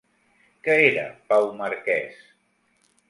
Què era Pau Marquès?